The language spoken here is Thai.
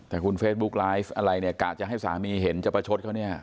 แต่คุณเฟซบุ๊กไลฟ์อะไรเนี่ยกะจะให้สามีเห็นจะประชดเขาเนี่ย